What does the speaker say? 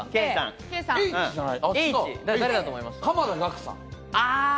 濱田岳さん？